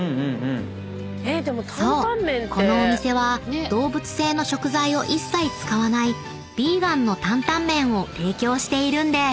このお店は動物性の食材を一切使わないヴィーガンの担々麺を提供しているんです］